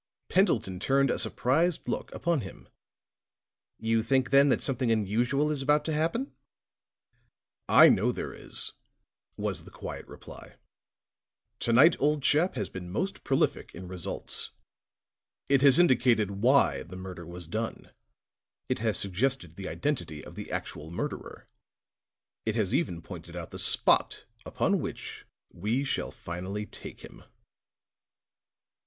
Pendleton turned a surprised look upon him. "You think, then, that something unusual is about to happen?" "I know there is," was the quiet reply. "To night, old chap, has been most prolific in results. It has indicated why the murder was done; it has suggested the identity of the actual murderer; it has even pointed out the spot upon which we shall finally take him."